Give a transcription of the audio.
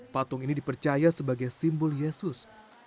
patung ini dipercaya sebagai simbol yesus